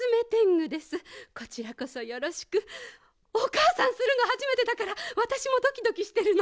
おかあさんするのはじめてだからわたしもドキドキしてるの。